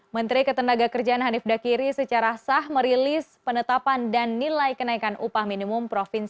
menteri ketenaga kerjaan hanif dakiri secara sah merilis penetapan dan nilai kenaikan upah minimum